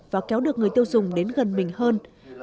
và kéo được người tiêu dùng đến gần mình hơn